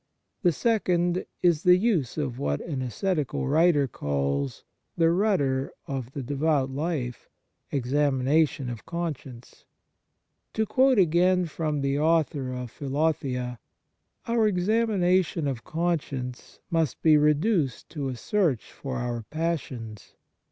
The second is the use of what an ascetical writer calls " the rudder of the devout life, examination of conscience." To quote again from the author of " Philo thea," " our examination of conscience must be reduced to a search for our passions."